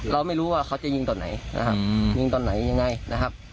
เราไม่รู้ว่าเขาจะยิงตอนไหนนะครับยิงตอนไหนยังไงนะครับ